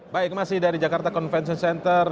baik masih dari jakarta convention center